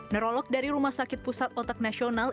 nerolok dari rumah sakit pusat otak nasional